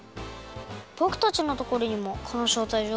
ぼくたちのところにもこのしょうたいじょうがとどきました。